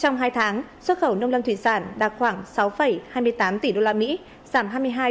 trong hai tháng xuất khẩu nông lâm thuyền sản đạt khoảng sáu hai mươi tám tỷ đô la mỹ